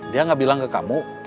dia gak bilang ke kamu